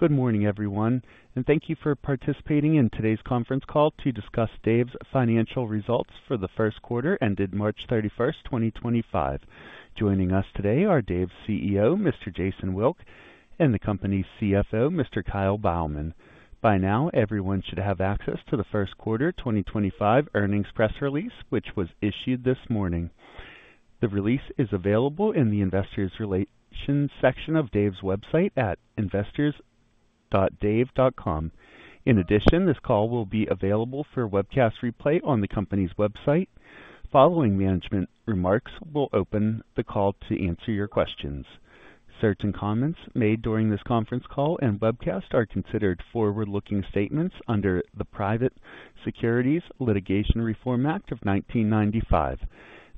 Good morning, everyone, and thank you for participating in today's conference call to discuss Dave's financial results for the first quarter ended March 31, 2025. Joining us today are Dave's CEO, Mr. Jason Wilk, and the company's CFO, Mr. Kyle Beilman. By now, everyone should have access to the first quarter 2025 earnings press release, which was issued this morning. The release is available in the investor relations section of Dave's website at investors.dave.com. In addition, this call will be available for webcast replay on the company's website. Following management remarks, we'll open the call to answer your questions. Certain comments made during this conference call and webcast are considered forward-looking statements under the Private Securities Litigation Reform Act of 1995.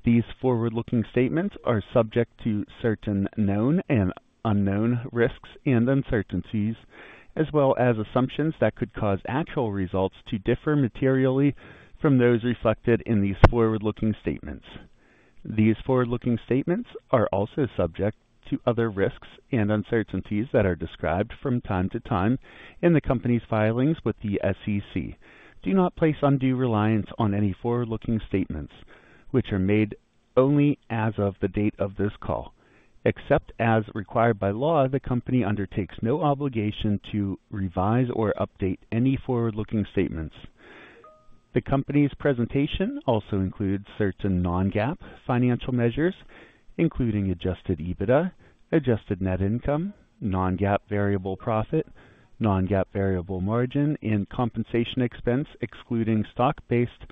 These forward-looking statements are subject to certain known and unknown risks and uncertainties, as well as assumptions that could cause actual results to differ materially from those reflected in these forward-looking statements. These forward-looking statements are also subject to other risks and uncertainties that are described from time to time in the company's filings with the SEC. Do not place undue reliance on any forward-looking statements, which are made only as of the date of this call. Except as required by law, the company undertakes no obligation to revise or update any forward-looking statements. The company's presentation also includes certain non-GAAP financial measures, including adjusted EBITDA, adjusted net income, non-GAAP variable profit, non-GAAP variable margin, and compensation expense, excluding stock-based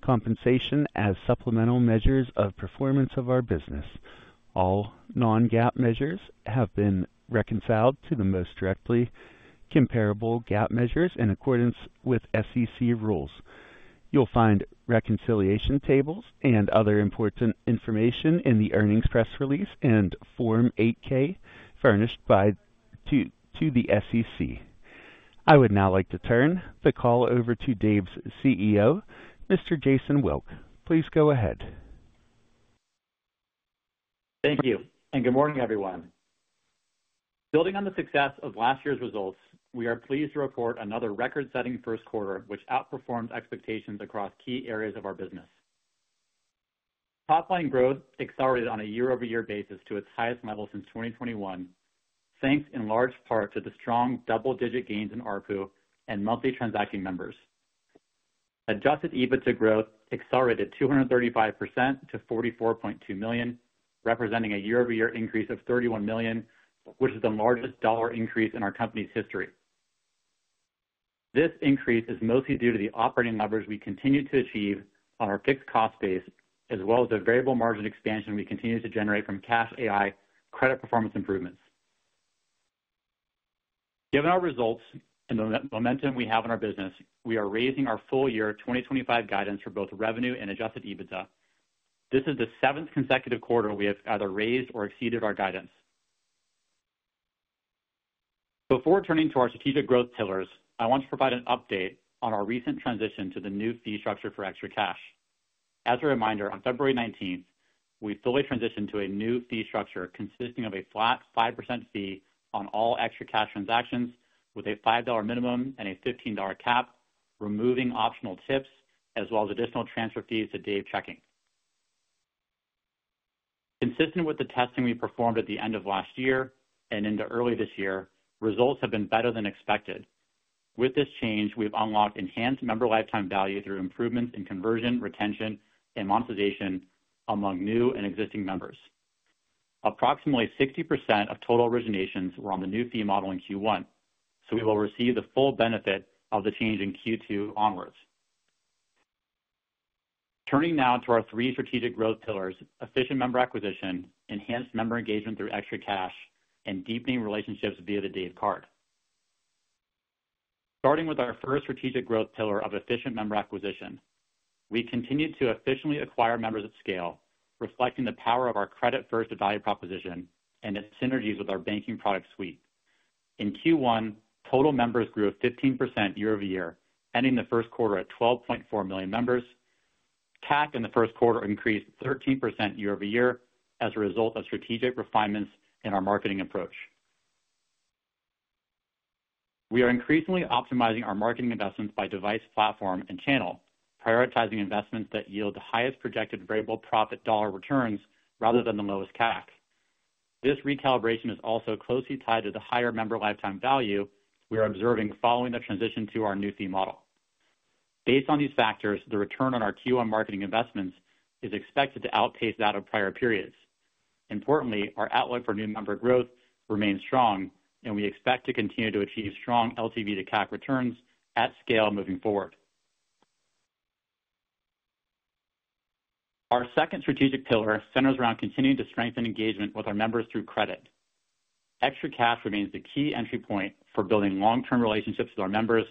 compensation as supplemental measures of performance of our business. All non-GAAP measures have been reconciled to the most directly comparable GAAP measures in accordance with SEC rules. You'll find reconciliation tables and other important information in the earnings press release and Form 8K furnished to the SEC. I would now like to turn the call over to Dave's CEO, Mr. Jason Wilk. Please go ahead. Thank you, and good morning, everyone. Building on the success of last year's results, we are pleased to report another record-setting first quarter, which outperformed expectations across key areas of our business. Top-line growth accelerated on a year-over-year basis to its highest level since 2021, thanks in large part to the strong double-digit gains in ARPU and monthly transacting members. Adjusted EBITDA growth accelerated 235% to $44.2 million, representing a year-over-year increase of $31 million, which is the largest dollar increase in our company's history. This increase is mostly due to the operating numbers we continue to achieve on our fixed cost base, as well as the variable margin expansion we continue to generate from CashAI credit performance improvements. Given our results and the momentum we have in our business, we are raising our full-year 2025 guidance for both revenue and adjusted EBITDA. This is the seventh consecutive quarter we have either raised or exceeded our guidance. Before turning to our strategic growth pillars, I want to provide an update on our recent transition to the new fee structure for ExtraCash. As a reminder, on February 19th, we fully transitioned to a new fee structure consisting of a flat 5% fee on all ExtraCash transactions, with a $5 minimum and a $15 cap, removing optional tips, as well as additional transfer fees to Dave checking. Consistent with the testing we performed at the end of last year and into early this year, results have been better than expected. With this change, we've unlocked enhanced member lifetime value through improvements in conversion, retention, and monetization among new and existing members. Approximately 60% of total originations were on the new fee model in Q1, so we will receive the full benefit of the change in Q2 onwards. Turning now to our three strategic growth pillars: efficient member acquisition, enhanced member engagement through ExtraCash, and deepening relationships via the Dave Card. Starting with our first strategic growth pillar of efficient member acquisition, we continue to efficiently acquire members at scale, reflecting the power of our credit-first value proposition and its synergies with our banking product suite. In Q1, total members grew 15% year-over-year, ending the first quarter at 12.4 million members. CAC in the first quarter increased 13% year-over-year as a result of strategic refinements in our marketing approach. We are increasingly optimizing our marketing investments by device, platform, and channel, prioritizing investments that yield the highest projected variable profit dollar returns rather than the lowest CAC. This recalibration is also closely tied to the higher member lifetime value we are observing following the transition to our new fee model. Based on these factors, the return on our Q1 marketing investments is expected to outpace that of prior periods. Importantly, our outlook for new member growth remains strong, and we expect to continue to achieve strong LTV to CAC returns at scale moving forward. Our second strategic pillar centers around continuing to strengthen engagement with our members through credit. ExtraCash remains the key entry point for building long-term relationships with our members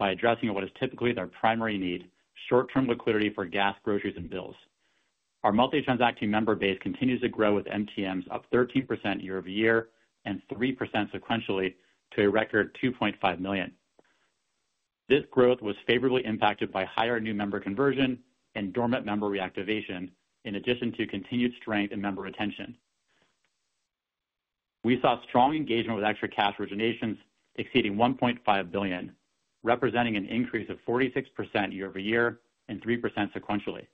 by addressing what is typically their primary need: short-term liquidity for gas, groceries, and bills. Our multi-transacting member base continues to grow with MTMs up 13% year-over-year and 3% sequentially to a record 2.5 million. This growth was favorably impacted by higher new member conversion and dormant member reactivation, in addition to continued strength in member retention. We saw strong engagement with ExtraCash originations exceeding $1.5 billion, representing an increase of 46% year-over-year and 3% sequentially.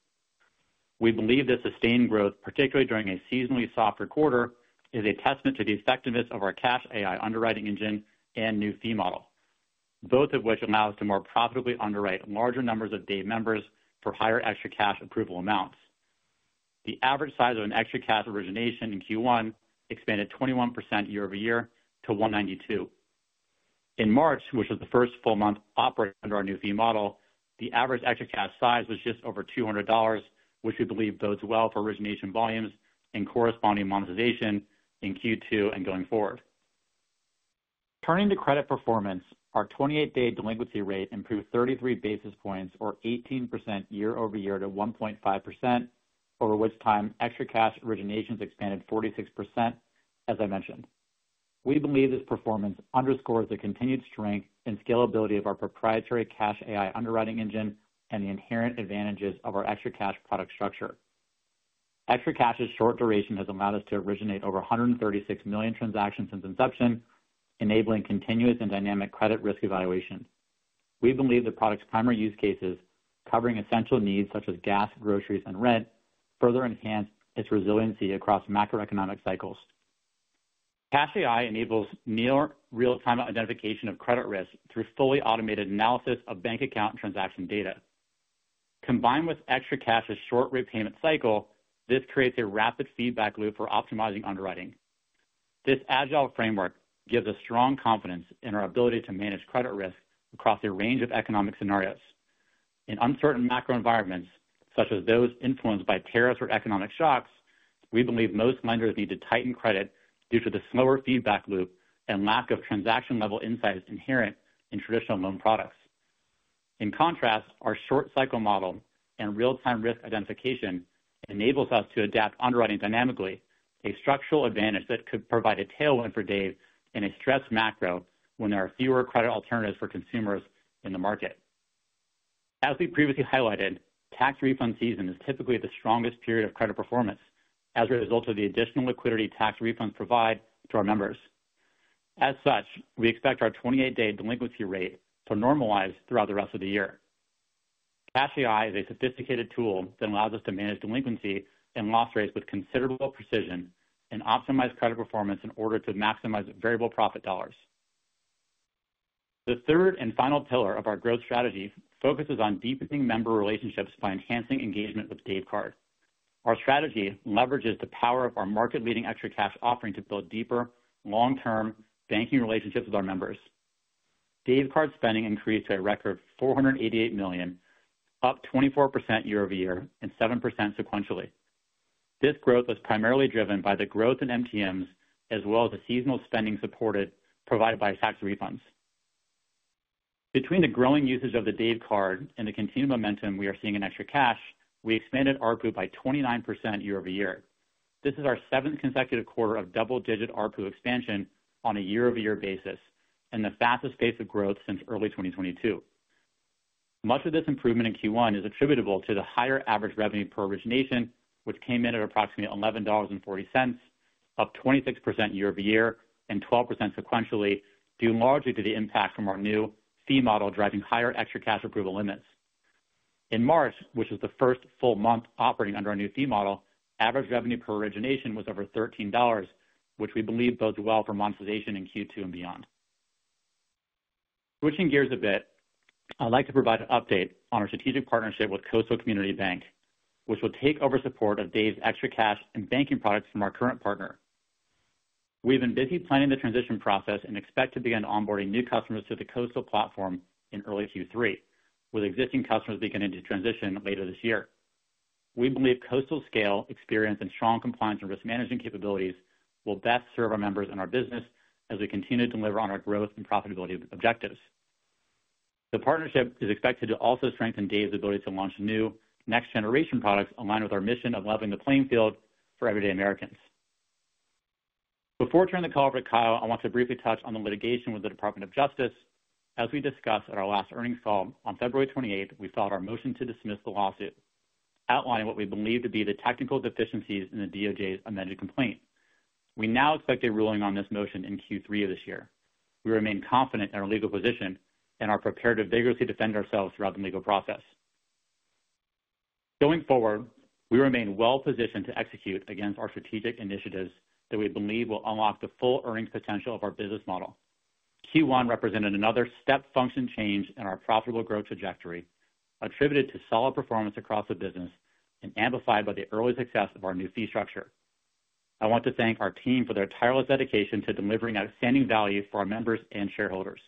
We believe this sustained growth, particularly during a seasonally softer quarter, is a testament to the effectiveness of our CashAI underwriting engine and new fee model, both of which allow us to more profitably underwrite larger numbers of Dave members for higher ExtraCash approval amounts. The average size of an ExtraCash origination in Q1 expanded 21% year-over-year to $192. In March, which was the first full month operating under our new fee model, the average ExtraCash size was just over $200, which we believe bodes well for origination volumes and corresponding monetization in Q2 and going forward. Turning to credit performance, our 28-day delinquency rate improved 33 basis points, or 18% year-over-year, to 1.5%, over which time ExtraCash originations expanded 46%, as I mentioned. We believe this performance underscores the continued strength and scalability of our proprietary CashAI underwriting engine and the inherent advantages of our ExtraCash product structure. ExtraCash's short duration has allowed us to originate over 136 million transactions since inception, enabling continuous and dynamic credit risk evaluation. We believe the product's primary use cases, covering essential needs such as gas, groceries, and rent, further enhance its resiliency across macroeconomic cycles. CashAI enables near-real-time identification of credit risk through fully automated analysis of bank account transaction data. Combined with ExtraCash's short repayment cycle, this creates a rapid feedback loop for optimizing underwriting. This agile framework gives us strong confidence in our ability to manage credit risk across a range of economic scenarios. In uncertain macro environments, such as those influenced by tariffs or economic shocks, we believe most lenders need to tighten credit due to the slower feedback loop and lack of transaction-level insights inherent in traditional loan products. In contrast, our short-cycle model and real-time risk identification enables us to adapt underwriting dynamically, a structural advantage that could provide a tailwind for Dave in a stressed macro when there are fewer credit alternatives for consumers in the market. As we previously highlighted, tax refund season is typically the strongest period of credit performance as a result of the additional liquidity tax refunds provide to our members. As such, we expect our 28-day delinquency rate to normalize throughout the rest of the year. CashAI is a sophisticated tool that allows us to manage delinquency and loss rates with considerable precision and optimize credit performance in order to maximize variable profit dollars. The third and final pillar of our growth strategy focuses on deepening member relationships by enhancing engagement with Dave Card. Our strategy leverages the power of our market-leading ExtraCash offering to build deeper, long-term banking relationships with our members. Dave Card spending increased to a record $488 million, up 24% year-over-year and 7% sequentially. This growth was primarily driven by the growth in MTMs, as well as the seasonal spending supported provided by tax refunds. Between the growing usage of the Dave Card and the continued momentum we are seeing in ExtraCash, we expanded ARPU by 29% year-over-year. This is our seventh consecutive quarter of double-digit ARPU expansion on a year-over-year basis and the fastest pace of growth since early 2022. Much of this improvement in Q1 is attributable to the higher average revenue per origination, which came in at approximately $11.40, up 26% year-over-year and 12% sequentially, due largely to the impact from our new fee model driving higher ExtraCash approval limits. In March, which was the first full month operating under our new fee model, average revenue per origination was over $13, which we believe bodes well for monetization in Q2 and beyond. Switching gears a bit, I'd like to provide an update on our strategic partnership with Coastal Community Bank, which will take over support of Dave's ExtraCash and banking products from our current partner. We've been busy planning the transition process and expect to begin onboarding new customers to the Coastal platform in early Q3, with existing customers beginning to transition later this year. We believe Coastal's scale, experience, and strong compliance and risk management capabilities will best serve our members and our business as we continue to deliver on our growth and profitability objectives. The partnership is expected to also strengthen Dave's ability to launch new next-generation products aligned with our mission of leveling the playing field for everyday Americans. Before turning the call over to Kyle, I want to briefly touch on the litigation with the Department of Justice. As we discussed at our last earnings call on February 28, we filed our motion to dismiss the lawsuit, outlining what we believe to be the technical deficiencies in the DOJ's amended complaint. We now expect a ruling on this motion in Q3 of this year. We remain confident in our legal position and are prepared to vigorously defend ourselves throughout the legal process. Going forward, we remain well-positioned to execute against our strategic initiatives that we believe will unlock the full earnings potential of our business model. Q1 represented another step-function change in our profitable growth trajectory, attributed to solid performance across the business and amplified by the early success of our new fee structure. I want to thank our team for their tireless dedication to delivering outstanding value for our members and shareholders.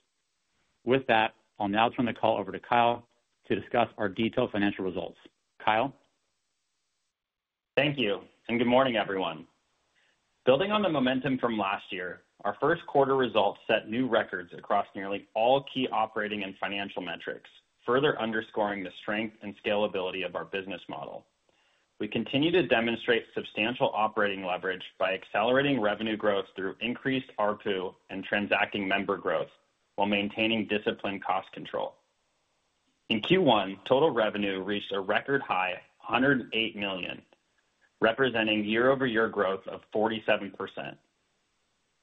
With that, I'll now turn the call over to Kyle to discuss our detailed financial results. Kyle? Thank you, and good morning, everyone. Building on the momentum from last year, our first quarter results set new records across nearly all key operating and financial metrics, further underscoring the strength and scalability of our business model. We continue to demonstrate substantial operating leverage by accelerating revenue growth through increased ARPU and transacting member growth while maintaining disciplined cost control. In Q1, total revenue reached a record high, $108 million, representing year-over-year growth of 47%.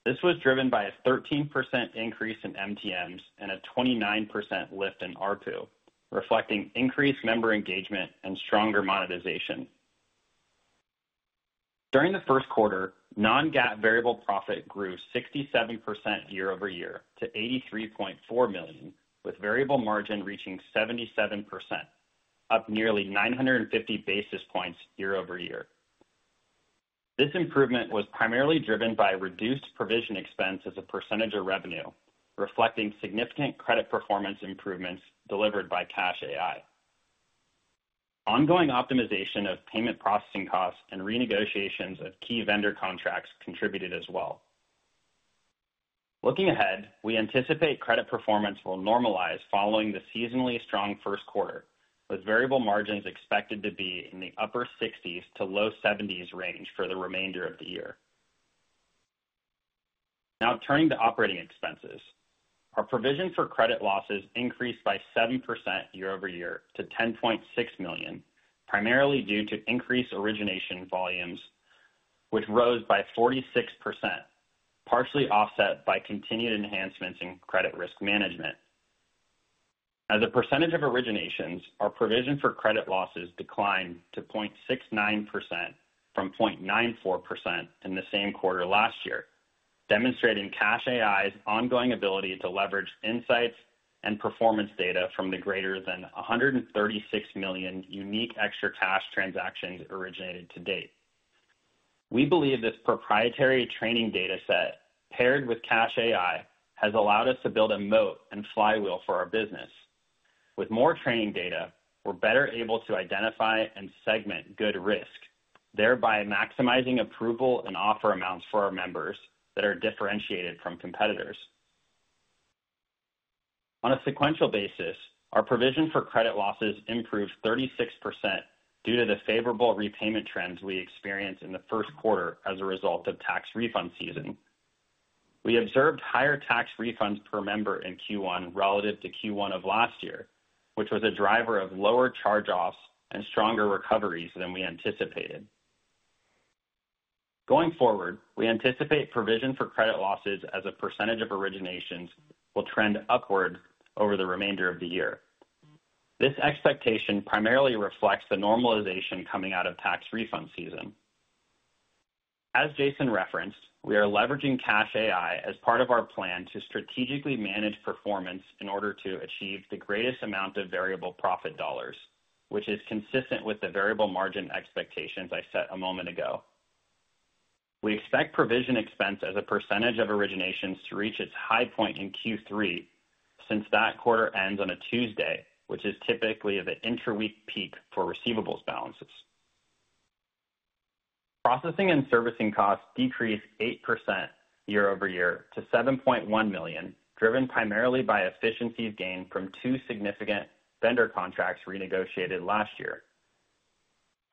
This was driven by a 13% increase in MTMs and a 29% lift in ARPU, reflecting increased member engagement and stronger monetization. During the first quarter, non-GAAP variable profit grew 67% year-over-year to $83.4 million, with variable margin reaching 77%, up nearly 950 basis points year-over-year. This improvement was primarily driven by reduced provision expenses as a percentage of revenue, reflecting significant credit performance improvements delivered by CashAI. Ongoing optimization of payment processing costs and renegotiations of key vendor contracts contributed as well. Looking ahead, we anticipate credit performance will normalize following the seasonally strong first quarter, with variable margins expected to be in the upper 60%-low 70% range for the remainder of the year. Now, turning to operating expenses, our provision for credit losses increased by 7% year-over-year to $10.6 million, primarily due to increased origination volumes, which rose by 46%, partially offset by continued enhancements in credit risk management. As a percentage of originations, our provision for credit losses declined to 0.69% from 0.94% in the same quarter last year, demonstrating CashAI's ongoing ability to leverage insights and performance data from the greater than 136 million unique ExtraCash transactions originated to date. We believe this proprietary training data set, paired with CashAI, has allowed us to build a moat and flywheel for our business. With more training data, we're better able to identify and segment good risk, thereby maximizing approval and offer amounts for our members that are differentiated from competitors. On a sequential basis, our provision for credit losses improved 36% due to the favorable repayment trends we experienced in the first quarter as a result of tax refund season. We observed higher tax refunds per member in Q1 relative to Q1 of last year, which was a driver of lower charge-offs and stronger recoveries than we anticipated. Going forward, we anticipate provision for credit losses as a percentage of originations will trend upward over the remainder of the year. This expectation primarily reflects the normalization coming out of tax refund season. As Jason referenced, we are leveraging CashAI as part of our plan to strategically manage performance in order to achieve the greatest amount of variable profit dollars, which is consistent with the variable margin expectations I set a moment ago. We expect provision expense as a percentage of originations to reach its high point in Q3 since that quarter ends on a Tuesday, which is typically the intra-week peak for receivables balances. Processing and servicing costs decreased 8% year-over-year to $7.1 million, driven primarily by efficiency gain from two significant vendor contracts renegotiated last year.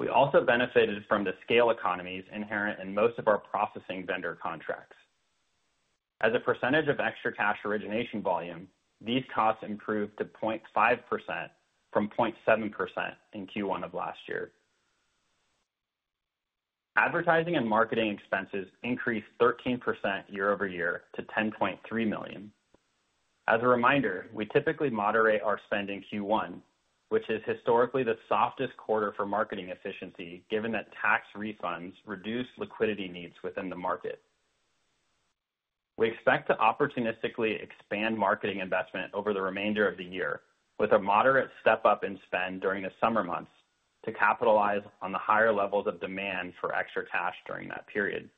We also benefited from the scale economies inherent in most of our processing vendor contracts. As a percentage of ExtraCash origination volume, these costs improved to 0.5% from 0.7% in Q1 of last year. Advertising and marketing expenses increased 13% year-over-year to $10.3 million. As a reminder, we typically moderate our spend in Q1, which is historically the softest quarter for marketing efficiency, given that tax refunds reduced liquidity needs within the market. We expect to opportunistically expand marketing investment over the remainder of the year, with a moderate step-up in spend during the summer months to capitalize on the higher levels of demand for ExtraCash during that period.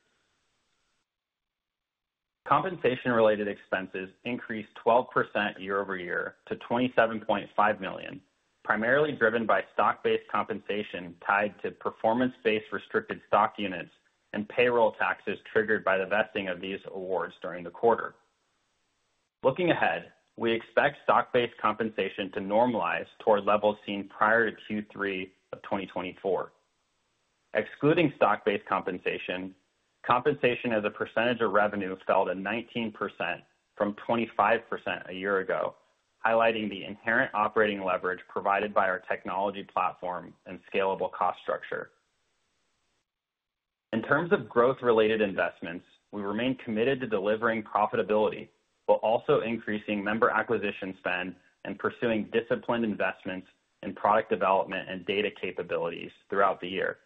Compensation-related expenses increased 12% year-over-year to $27.5 million, primarily driven by stock-based compensation tied to performance-based restricted stock units and payroll taxes triggered by the vesting of these awards during the quarter. Looking ahead, we expect stock-based compensation to normalize toward levels seen prior to Q3 of 2024. Excluding stock-based compensation, compensation as a percentage of revenue fell to 19% from 25% a year ago, highlighting the inherent operating leverage provided by our technology platform and scalable cost structure. In terms of growth-related investments, we remain committed to delivering profitability while also increasing member acquisition spend and pursuing disciplined investments in product development and data capabilities throughout the year.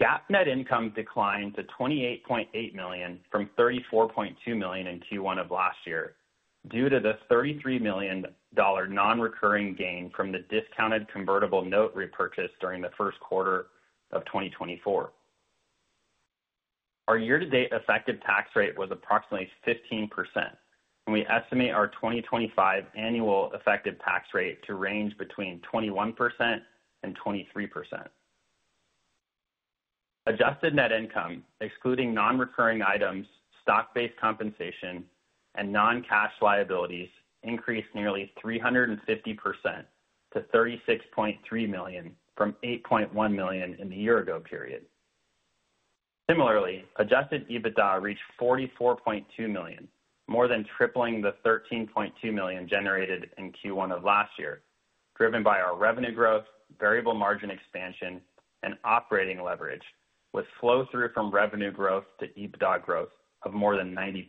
GAAP net income declined to $28.8 million from $34.2 million in Q1 of last year due to the $33 million non-recurring gain from the discounted convertible note repurchase during the first quarter of 2024. Our year-to-date effective tax rate was approximately 15%, and we estimate our 2025 annual effective tax rate to range between 21% and 23%. Adjusted net income, excluding non-recurring items, stock-based compensation, and non-cash liabilities, increased nearly 350% to $36.3 million from $8.1 million in the year-ago period. Similarly, adjusted EBITDA reached $44.2 million, more than tripling the $13.2 million generated in Q1 of last year, driven by our revenue growth, variable margin expansion, and operating leverage, with flow-through from revenue growth to EBITDA growth of more than 90%.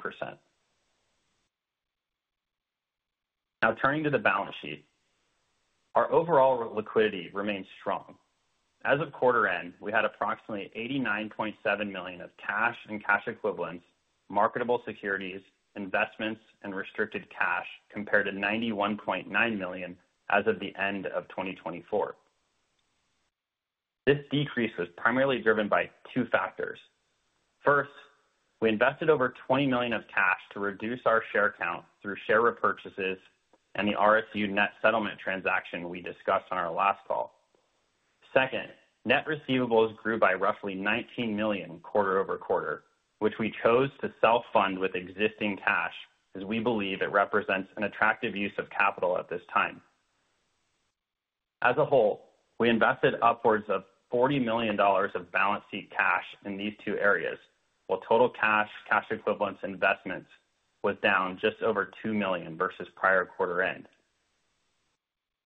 Now, turning to the balance sheet, our overall liquidity remains strong. As of quarter end, we had approximately $89.7 million of cash and cash equivalents, marketable securities, investments, and restricted cash compared to $91.9 million as of the end of 2024. This decrease was primarily driven by two factors. First, we invested over $20 million of cash to reduce our share count through share repurchases and the RSU net settlement transaction we discussed on our last call. Second, net receivables grew by roughly $19 million quarter-over-quarter, which we chose to self-fund with existing cash, as we believe it represents an attractive use of capital at this time. As a whole, we invested upwards of $40 million of balance sheet cash in these two areas, while total cash, cash equivalents, investments was down just over $2 million versus prior quarter end.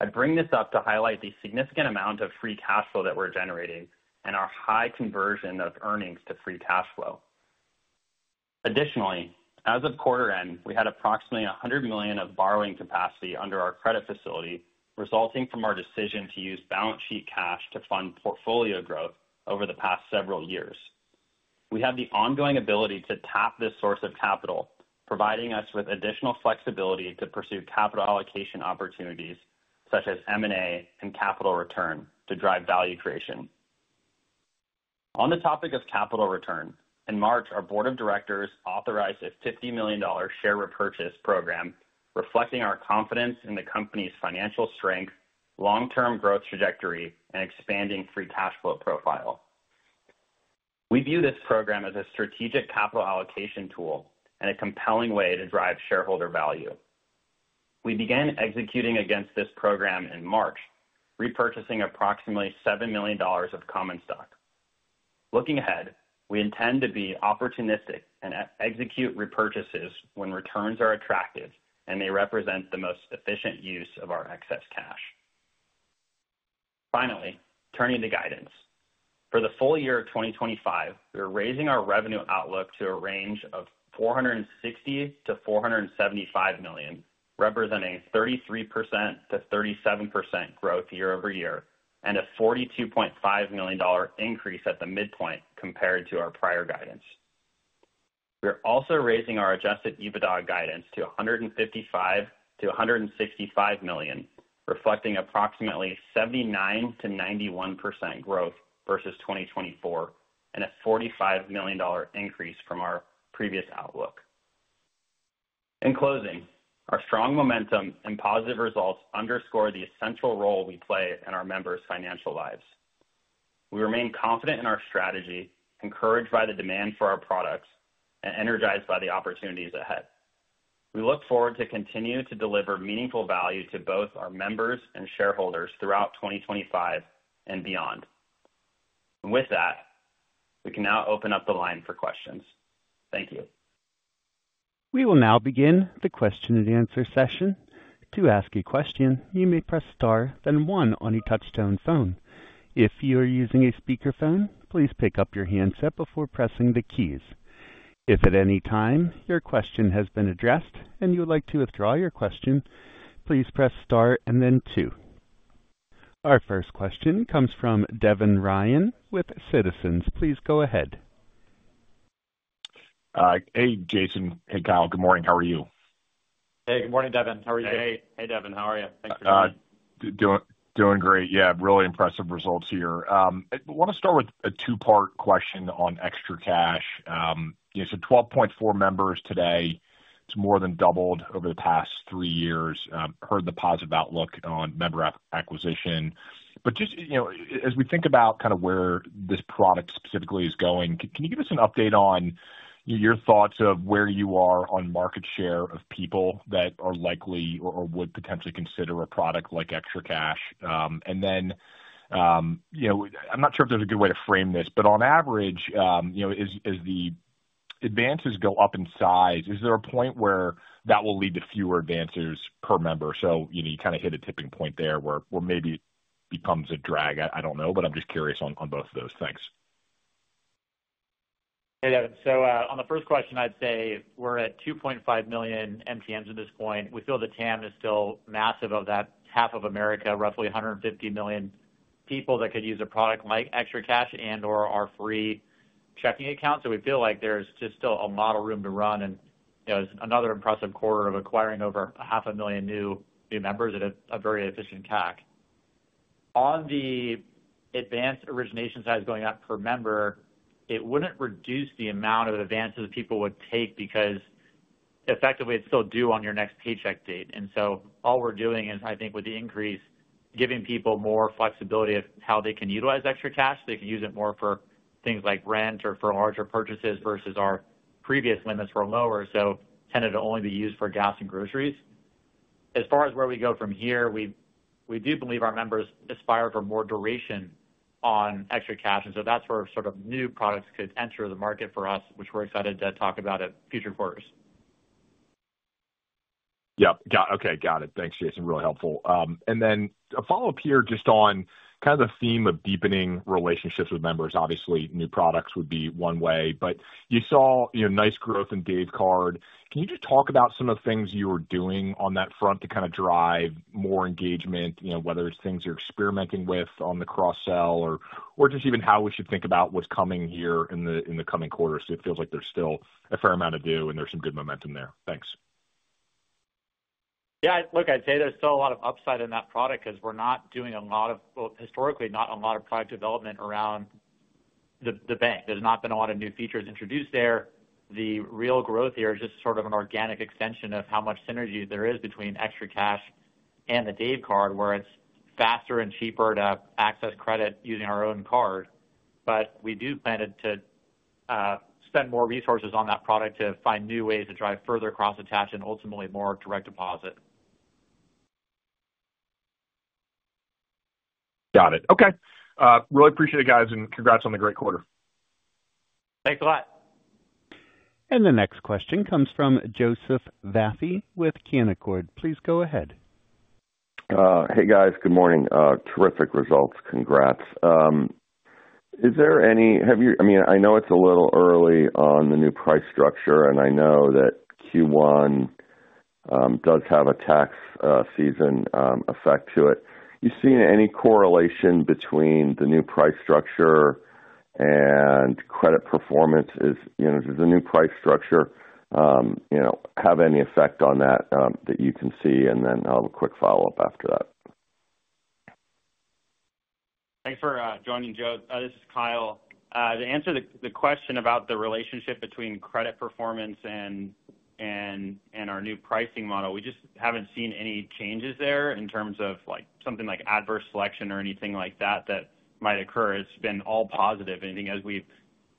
I bring this up to highlight the significant amount of free cash flow that we're generating and our high conversion of earnings to free cash flow. Additionally, as of quarter end, we had approximately $100 million of borrowing capacity under our credit facility, resulting from our decision to use balance sheet cash to fund portfolio growth over the past several years. We have the ongoing ability to tap this source of capital, providing us with additional flexibility to pursue capital allocation opportunities such as M&A and capital return to drive value creation. On the topic of capital return, in March, our board of directors authorized a $50 million share repurchase program, reflecting our confidence in the company's financial strength, long-term growth trajectory, and expanding free cash flow profile. We view this program as a strategic capital allocation tool and a compelling way to drive shareholder value. We began executing against this program in March, repurchasing approximately $7 million of common stock. Looking ahead, we intend to be opportunistic and execute repurchases when returns are attractive and they represent the most efficient use of our excess cash. Finally, turning to guidance. For the full year of 2025, we're raising our revenue outlook to a range of $460 million-$475 million, representing 33%-37% growth year-over-year and a $42.5 million increase at the midpoint compared to our prior guidance. We're also raising our adjusted EBITDA guidance to $155-$165 million, reflecting approximately 79%-91% growth versus 2024 and a $45 million increase from our previous outlook. In closing, our strong momentum and positive results underscore the essential role we play in our members' financial lives. We remain confident in our strategy, encouraged by the demand for our products, and energized by the opportunities ahead. We look forward to continuing to deliver meaningful value to both our members and shareholders throughout 2025 and beyond. With that, we can now open up the line for questions. Thank you. We will now begin the question-and-answer session. To ask a question, you may press star, then one on a touch-tone phone. If you are using a speakerphone, please pick up your handset before pressing the keys. If at any time your question has been addressed and you would like to withdraw your question, please press star and then two. Our first question comes from Devin Ryan with Citizens. Please go ahead. Hey, Jason and Kyle. Good morning. How are you? Hey, good morning, Devin. How are you today? Hey, Devin. How are you? Thanks for joining. Doing great. Yeah, really impressive results here. I want to start with a two-part question on ExtraCash. You know, so 12.4 million members today. It's more than doubled over the past three years. Heard the positive outlook on member acquisition. But just, you know, as we think about kind of where this product specifically is going, can you give us an update on your thoughts of where you are on market share of people that are likely or would potentially consider a product like ExtraCash? And then, you know, I'm not sure if there's a good way to frame this, but on average, you know, as the advances go up in size, is there a point where that will lead to fewer advances per member? You know, you kind of hit a tipping point there where maybe it becomes a drag. I don't know, but I'm just curious on both of those things. Hey, Devin. On the first question, I'd say we're at 2.5 million MTMs at this point. We feel the TAM is still massive of that half of America, roughly 150 million people that could use a product like ExtraCash and/or our free checking account. We feel like there's just still a lot of room to run. You know, it's another impressive quarter of acquiring over 500,000 new members at a very efficient CAC. On the advance origination size going up per member, it wouldn't reduce the amount of advances people would take because effectively it's still due on your next paycheck date. All we're doing is, I think, with the increase, giving people more flexibility of how they can utilize ExtraCash. They can use it more for things like rent or for larger purchases versus our previous limits were lower, so tended to only be used for gas and groceries. As far as where we go from here, we do believe our members aspire for more duration on ExtraCash. That is where sort of new products could enter the market for us, which we're excited to talk about at future quarters. Yeah. Got it. Okay. Got it. Thanks, Jason. Really helpful. And then a follow-up here just on kind of the theme of deepening relationships with members. Obviously, new products would be one way, but you saw, you know, nice growth in Dave Card. Can you just talk about some of the things you were doing on that front to kind of drive more engagement, you know, whether it's things you're experimenting with on the cross-sell or just even how we should think about what's coming here in the coming quarter? It feels like there's still a fair amount to do and there's some good momentum there. Thanks. Yeah. Look, I'd say there's still a lot of upside in that product because we're not doing a lot of, well, historically, not a lot of product development around the bank. There's not been a lot of new features introduced there. The real growth here is just sort of an organic extension of how much synergy there is between ExtraCash and the Dave Card, where it's faster and cheaper to access credit using our own card. We do plan to spend more resources on that product to find new ways to drive further cross-attach and ultimately more direct deposit. Got it. Okay. Really appreciate it, guys, and congrats on the great quarter. Thanks a lot. The next question comes from Joseph Vafi with Canaccord. Please go ahead. Hey, guys. Good morning. Terrific results. Congrats. Is there any, have you, I mean, I know it's a little early on the new price structure, and I know that Q1 does have a tax season effect to it. You see any correlation between the new price structure and credit performance? Does the new price structure, you know, have any effect on that that you can see? I have a quick follow-up after that. Thanks for joining, Joe. This is Kyle. To answer the question about the relationship between credit performance and our new pricing model, we just haven't seen any changes there in terms of, like, something like adverse selection or anything like that that might occur. It's been all positive. I think, as we've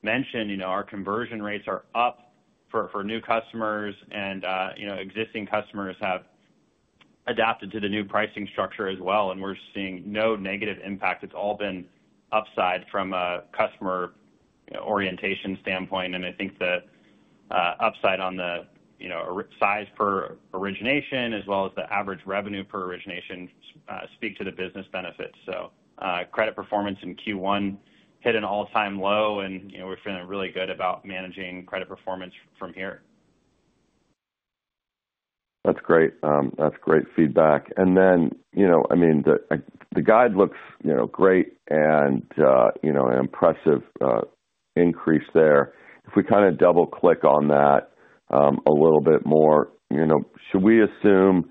mentioned, you know, our conversion rates are up for new customers, and, you know, existing customers have adapted to the new pricing structure as well. We're seeing no negative impact. It's all been upside from a customer orientation standpoint. I think the upside on the, you know, size per origination as well as the average revenue per origination speak to the business benefits. Credit performance in Q1 hit an all-time low, and, you know, we're feeling really good about managing credit performance from here. That's great. That's great feedback. You know, I mean, the guide looks, you know, great and, you know, an impressive increase there. If we kind of double-click on that a little bit more, you know, should we assume,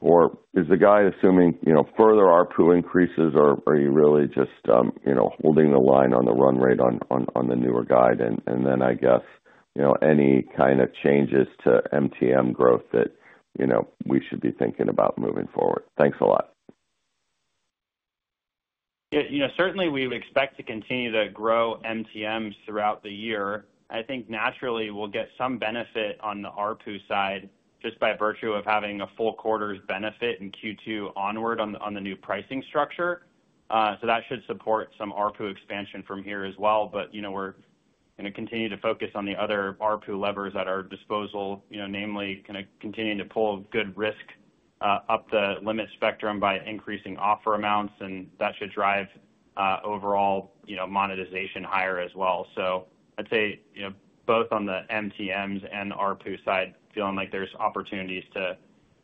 or is the guide assuming, you know, further ARPU increases, or are you really just, you know, holding the line on the run rate on the newer guide? I guess, you know, any kind of changes to MTM growth that, you know, we should be thinking about moving forward. Thanks a lot. Yeah. You know, certainly we expect to continue to grow MTMs throughout the year. I think naturally we'll get some benefit on the ARPU side just by virtue of having a full quarter's benefit in Q2 onward on the new pricing structure. That should support some ARPU expansion from here as well. You know, we're going to continue to focus on the other ARPU levers at our disposal, you know, namely kind of continuing to pull good risk up the limit spectrum by increasing offer amounts. That should drive overall, you know, monetization higher as well. I'd say, you know, both on the MTMs and ARPU side, feeling like there's opportunities to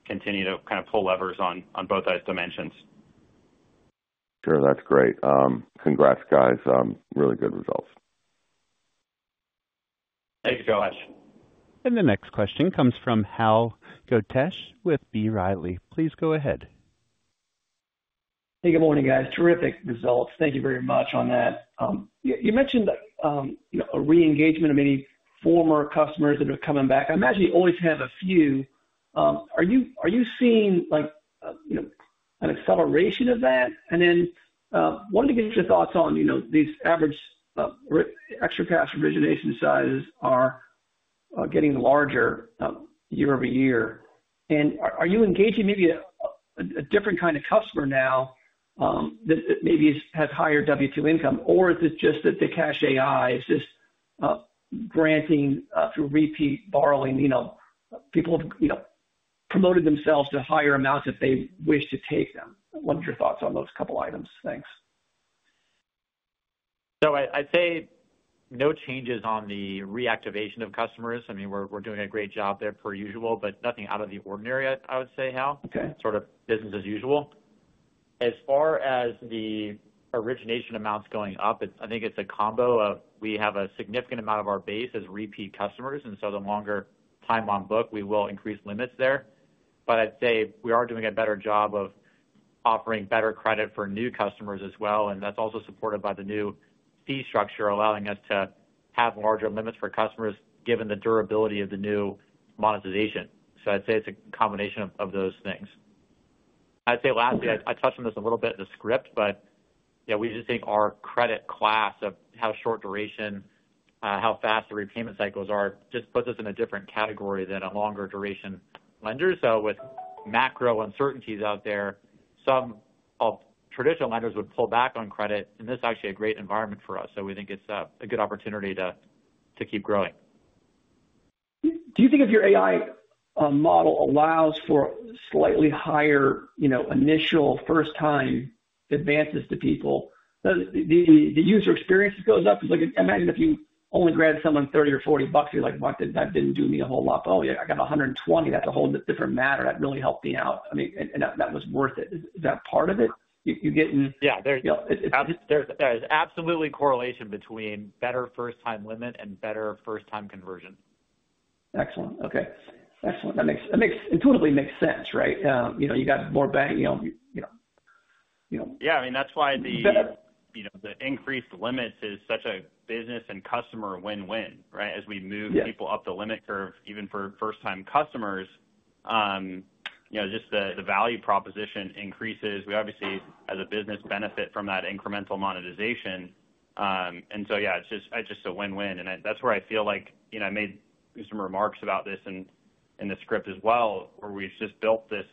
continue to kind of pull levers on both those dimensions. Sure. That's great. Congrats, guys. Really good results. Thank you so much. The next question comes from Hal Goetsch with B. Riley. Please go ahead. Hey, good morning, guys. Terrific results. Thank you very much on that. You mentioned, you know, a re-engagement of any former customers that are coming back. I imagine you always have a few. Are you seeing, like, you know, an acceleration of that? I wanted to get your thoughts on, you know, these average ExtraCash origination sizes are getting larger year-over-year. Are you engaging maybe a different kind of customer now that maybe has higher W-2 income, or is it just that the CashAI is just granting through repeat borrowing, you know, people have, you know, promoted themselves to higher amounts if they wish to take them? What are your thoughts on those couple of items? Thanks. I'd say no changes on the reactivation of customers. I mean, we're doing a great job there per usual, but nothing out of the ordinary, I would say, Hal. Okay. Sort of business as usual. As far as the origination amounts going up, I think it's a combo of we have a significant amount of our base as repeat customers. The longer time on book, we will increase limits there. I'd say we are doing a better job of offering better credit for new customers as well. That's also supported by the new fee structure allowing us to have larger limits for customers given the durability of the new monetization. I'd say it's a combination of those things. Lastly, I touched on this a little bit in the script, but yeah, we just think our credit class of how short duration, how fast the repayment cycles are just puts us in a different category than a longer duration lender. With macro uncertainties out there, some traditional lenders would pull back on credit. This is actually a great environment for us. We think it's a good opportunity to keep growing. Do you think if your AI model allows for slightly higher, you know, initial first-time advances to people, the user experience goes up? Because I can imagine if you only granted someone $30 or $40, you're like, "What? That didn't do me a whole lot." I mean, oh yeah, I got $120. That's a whole different matter. That really helped me out. I mean, and that was worth it. Is that part of it? You're getting. Yeah. There's absolutely correlation between better first-time limit and better first-time conversion. Excellent. Okay. Excellent. That intuitively makes sense, right? You know, you got more bank, you know. Yeah. I mean, that's why the, you know, the increased limits is such a business and customer win-win, right? As we move people up the limit curve, even for first-time customers, you know, just the value proposition increases. We obviously have a business benefit from that incremental monetization. Yeah, it's just a win-win. That's where I feel like, you know, I made some remarks about this in the script as well, where we've just built this,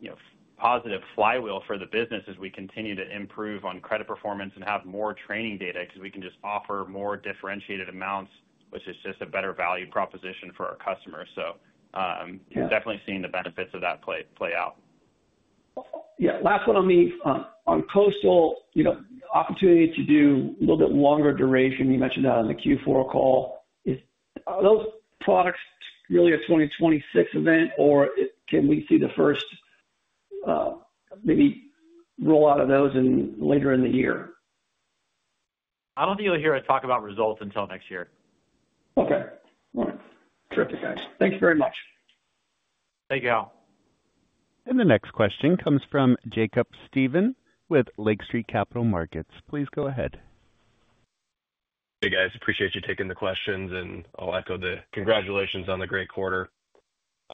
you know, positive flywheel for the business as we continue to improve on credit performance and have more training data because we can just offer more differentiated amounts, which is just a better value proposition for our customers. Definitely seeing the benefits of that play out. Yeah. Last one on the, on Coastal, you know, opportunity to do a little bit longer duration. You mentioned that on the Q4 call. Are those products really a 2026 event, or can we see the first maybe roll out of those later in the year? I don't think you'll hear us talk about results until next year. Okay. All right. Terrific, guys. Thanks very much. Thank you, Hal. The next question comes from Jacob Stephan with Lake Street Capital Markets. Please go ahead. Hey, guys. Appreciate you taking the questions. I'll echo the congratulations on the great quarter.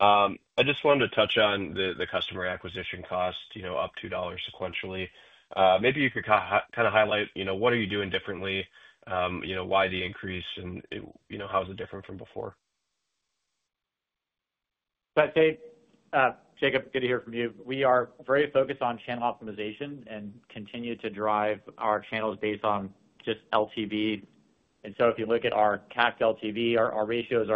I just wanted to touch on the customer acquisition cost, you know, up $2 sequentially. Maybe you could kind of highlight, you know, what are you doing differently, you know, why the increase, and, you know, how is it different from before? Jacob, good to hear from you. We are very focused on channel optimization and continue to drive our channels based on just LTV. If you look at our CAC to LTV, our ratios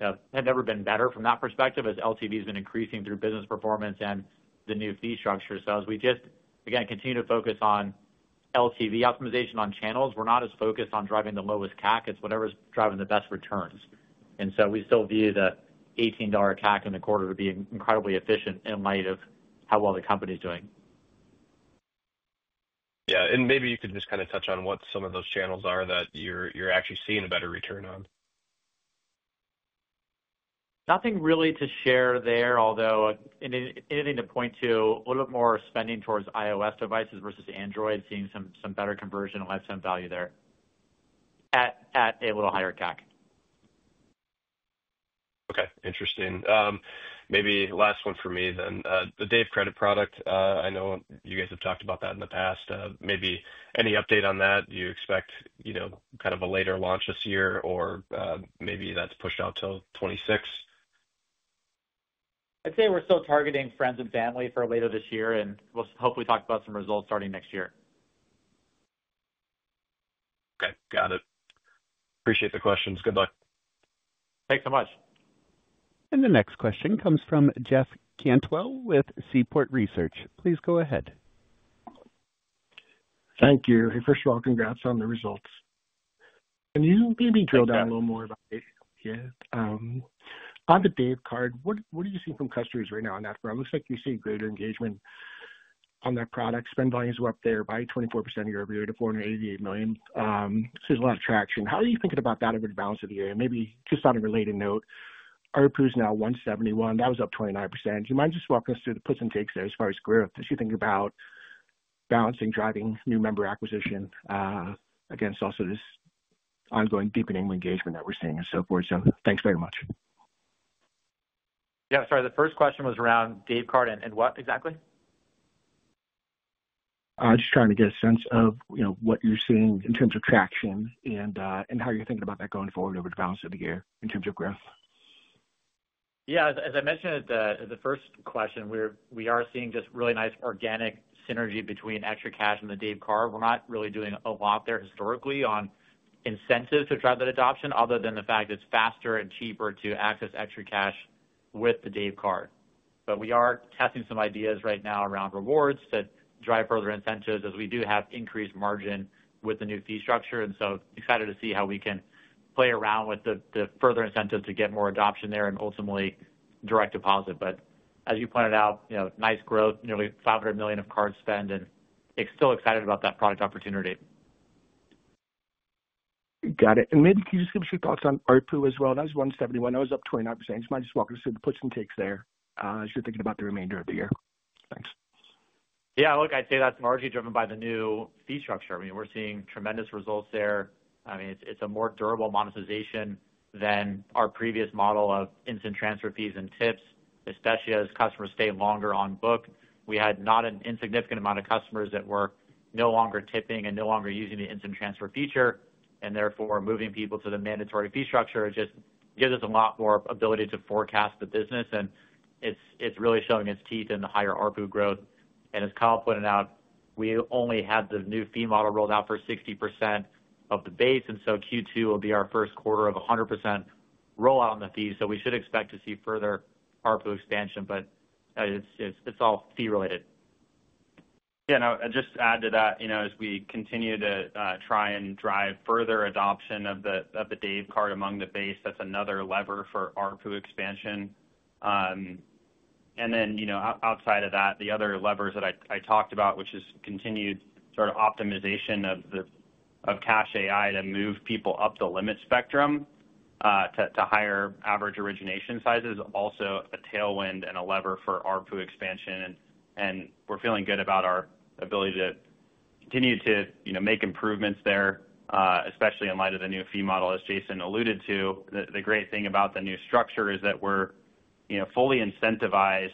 have never been better from that perspective as LTV has been increasing through business performance and the new fee structure. As we just, again, continue to focus on LTV optimization on channels, we're not as focused on driving the lowest CAC. It's whatever is driving the best returns. We still view the $18 CAC in the quarter to be incredibly efficient in light of how well the company is doing. Yeah. Maybe you could just kind of touch on what some of those channels are that you're actually seeing a better return on. Nothing really to share there, although anything to point to a little bit more spending towards iOS devices versus Android, seeing some better conversion and lifetime value thereat a little higher CAC. Okay. Interesting. Maybe last one for me then. The Dave Credit product, I know you guys have talked about that in the past. Maybe any update on that? Do you expect, you know, kind of a later launch this year, or maybe that's pushed out till 2026? I'd say we're still targeting friends and family for later this year, and we'll hopefully talk about some results starting next year. Okay. Got it. Appreciate the questions. Good luck. Thanks so much. The next question comes from Jeff Cantwell with Seaport Research. Please go ahead. Thank you. Hey, first of all, congrats on the results. Can you maybe drill down a little more about Dave? Yeah. On the Dave Card, what are you seeing from customers right now on that front? Looks like you're seeing greater engagement on that product. Spend volumes are up there by 24% year-over-year to $488 million. There is a lot of traction. How are you thinking about that over the balance of the year? Maybe just on a related note, ARPU is now $171. That was up 29%. Do you mind just walking us through the puts and takes there as far as growth? As you think about balancing driving new member acquisition against also this ongoing deepening engagement that we're seeing and so forth. Thanks very much. Yeah. Sorry. The first question was around Dave Card and what exactly? Just trying to get a sense of, you know, what you're seeing in terms of traction and how you're thinking about that going forward over the balance of the year in terms of growth. Yeah. As I mentioned at the first question, we are seeing just really nice organic synergy between ExtraCash and the Dave Card. We're not really doing a lot there historically on incentives to drive that adoption other than the fact it's faster and cheaper to access ExtraCash with the Dave Card. We are testing some ideas right now around rewards to drive further incentives as we do have increased margin with the new fee structure. I am excited to see how we can play around with the further incentives to get more adoption there and ultimately direct deposit. As you pointed out, you know, nice growth, nearly $500 million of card spend, and still excited about that product opportunity. Got it. Maybe can you just give us your thoughts on ARPU as well? That was $171. That was up 29%. Do you mind just walking us through the puts and takes there as you are thinking about the remainder of the year? Thanks. Yeah. Look, I'd say that's largely driven by the new fee structure. I mean, we're seeing tremendous results there. I mean, it's a more durable monetization than our previous model of instant transfer fees and tips, especially as customers stay longer on book. We had not an insignificant amount of customers that were no longer tipping and no longer using the instant transfer feature. Therefore, moving people to the mandatory fee structure just gives us a lot more ability to forecast the business. It's really showing its teeth in the higher ARPU growth. As Kyle pointed out, we only had the new fee model rolled out for 60% of the base. Q2 will be our first quarter of 100% rollout on the fee. We should expect to see further ARPU expansion, but it's all fee-related. Yeah. I'll just add to that, you know, as we continue to try and drive further adoption of the Dave Card among the base, that's another lever for ARPU expansion. You know, outside of that, the other levers that I talked about, which is continued sort of optimization of the CashAI to move people up the limit spectrum to higher average origination sizes, also a tailwind and a lever for ARPU expansion. We're feeling good about our ability to continue to, you know, make improvements there, especially in light of the new fee model, as Jason alluded to. The great thing about the new structure is that we're, you know, fully incentivized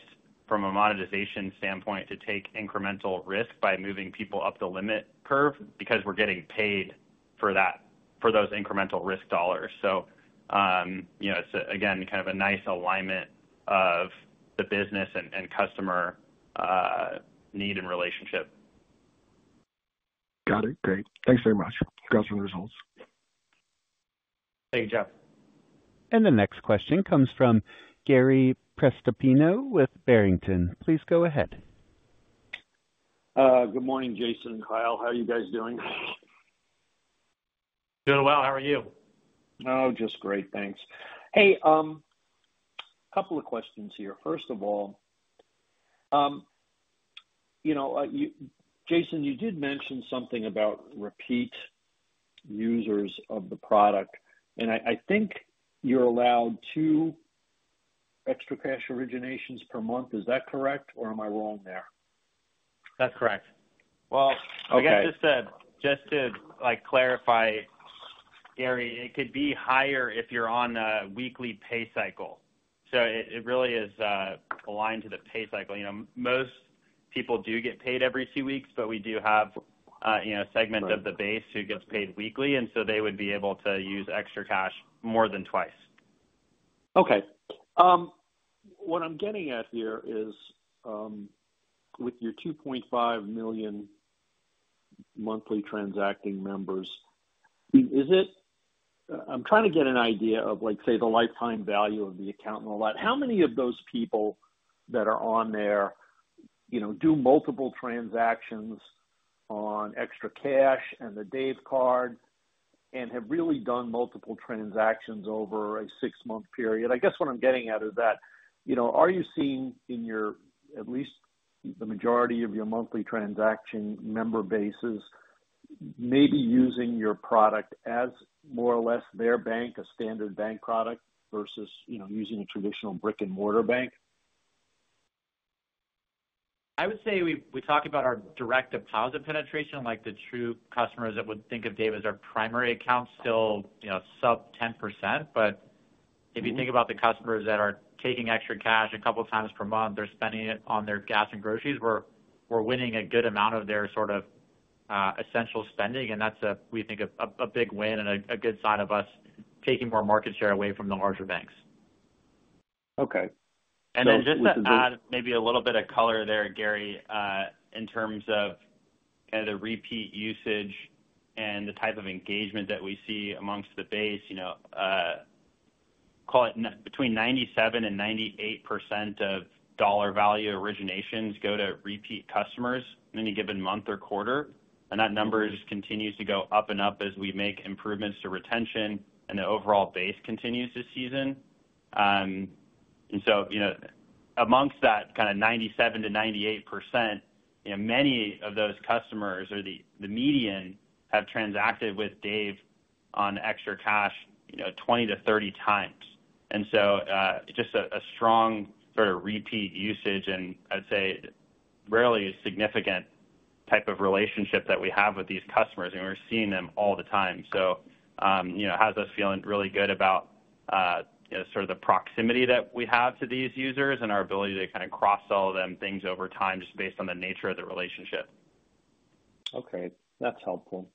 from a monetization standpoint to take incremental risk by moving people up the limit curve because we're getting paid for those incremental risk dollars. You know, it's again kind of a nice alignment of the business and customer need and relationship. Got it. Great. Thanks very much. Congrats on the results. Thank you, Jeff. The next question comes from Gary Prestopino with Barrington. Please go ahead. Good morning, Jason and Kyle. How are you guys doing? Doing well. How are you? Oh, just great. Thanks. Hey, a couple of questions here. First of all, you know, Jason, you did mention something about repeat users of the product. And I think you're allowed two ExtraCash originations per month. Is that correct, or am I wrong there? That's correct. I guess just to clarify, Gary, it could be higher if you're on a weekly pay cycle. It really is aligned to the pay cycle. You know, most people do get paid every two weeks, but we do have, you know, a segment of the base who gets paid weekly. They would be able to use ExtraCash more than twice. Okay. What I'm getting at here is with your 2.5 million monthly transacting members, is it, I'm trying to get an idea of, like, say, the lifetime value of the account and all that. How many of those people that are on there, you know, do multiple transactions on ExtraCash and the Dave Card and have really done multiple transactions over a six-month period? I guess what I'm getting at is that, you know, are you seeing in your, at least the majority of your monthly transacting member bases maybe using your product as more or less their bank, a standard bank product versus, you know, using a traditional brick-and-mortar bank? I would say we talk about our direct deposit penetration, like the true customers that would think of Dave as our primary account, still, you know, sub 10%. If you think about the customers that are taking ExtraCash a couple of times per month, they're spending it on their gas and groceries. We're winning a good amount of their sort of essential spending. That is, we think, a big win and a good sign of us taking more market share away from the larger banks. Okay. Just to add maybe a little bit of color there, Gary, in terms of kind of the repeat usage and the type of engagement that we see amongst the base, you know, call it between 97% and 98% of dollar value originations go to repeat customers in any given month or quarter. That number just continues to go up and up as we make improvements to retention and the overall base continues this season. You know, amongst that kind of 97%-98%, many of those customers or the median have transacted with Dave on ExtraCash, you know, 20-30 times. Just a strong sort of repeat usage and I'd say really a significant type of relationship that we have with these customers. We're seeing them all the time. You know, it has us feeling really good about, you know, sort of the proximity that we have to these users and our ability to kind of cross-sell them things over time just based on the nature of the relationship. Okay. That's helpful.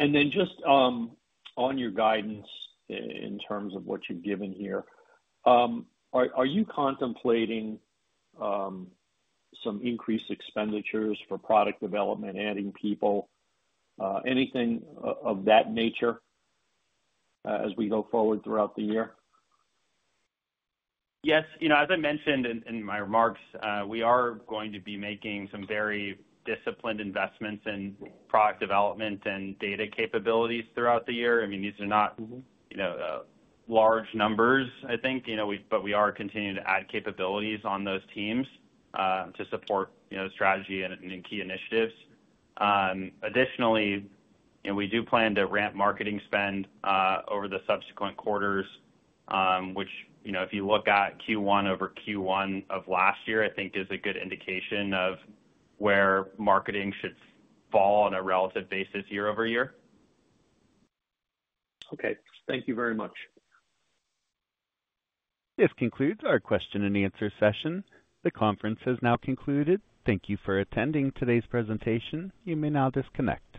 Just on your guidance in terms of what you've given here, are you contemplating some increased expenditures for product development, adding people, anything of that nature as we go forward throughout the year? Yes. You know, as I mentioned in my remarks, we are going to be making some very disciplined investments in product development and data capabilities throughout the year. I mean, these are not, you know, large numbers, I think, you know, but we are continuing to add capabilities on those teams to support, you know, strategy and key initiatives. Additionally, you know, we do plan to ramp marketing spend over the subsequent quarters, which, you know, if you look at Q1 over Q1 of last year, I think is a good indication of where marketing should fall on a relative basis year-over-year. Okay. Thank you very much. This concludes our question and answer session. The conference has now concluded. Thank you for attending today's presentation. You may now disconnect.